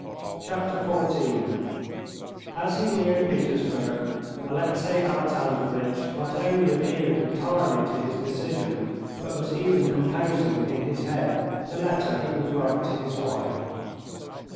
Chapter 14 As he neared Petersburg, Alexey Alexandrovitch not only adhered entirely to his decision, but was even composing in his head the letter he would write to his wife.